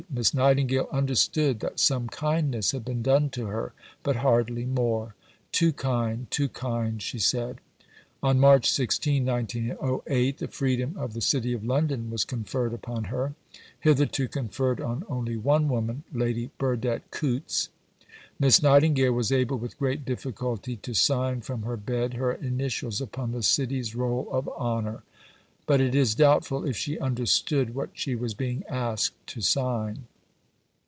Miss Nightingale understood that some kindness had been done to her, but hardly more. "Too kind, too kind," she said. On March 16, 1908, the Freedom of the City of London was conferred upon her hitherto conferred on only one woman, Lady Burdett Coutts. Miss Nightingale was able with great difficulty to sign from her bed her initials upon the City's roll of honour, but it is doubtful if she understood what she was being asked to sign.